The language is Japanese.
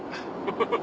ハハハ。